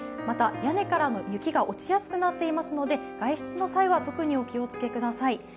また屋根からの雪が落ちやすくなっていますので外出の際は特にお気をつけください。